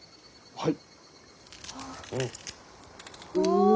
はい。